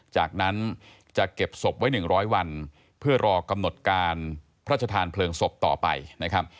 จากนั้นจะเก็บศพไว้๑๐๐วันเพื่อรอกำหนดการพระชธานเพลิงศพต่อไปนะครับ